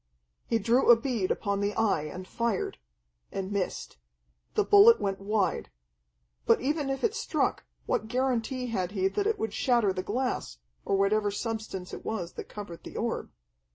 He drew a bead upon the Eye and fired and missed. The bullet went wide. But even if it struck, what guarantee had he that it would shatter the glass, or whatever substance it was that covered the orb?